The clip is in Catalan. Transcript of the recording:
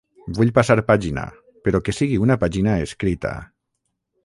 Vull passar pàgina, però que sigui una pàgina escrita.